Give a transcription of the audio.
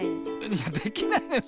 いやできないのよ